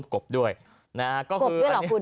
กลบด้วยหรอคุณ